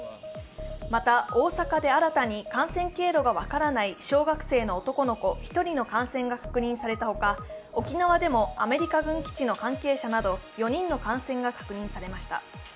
また大阪で新たに感染経路が分からない小学生の男の子１人の感染が確認されたほか、沖縄でもアメリカ軍基地の関係者など４人の感染が確認されました。